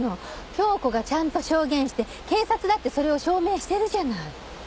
杏子がちゃんと証言して警察だってそれを証明してるじゃない。